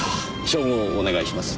照合をお願いします。